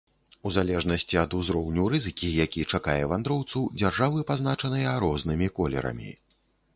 У залежнасці ад узроўню рызыкі, які чакае вандроўцу, дзяржавы пазначаныя рознымі колерамі.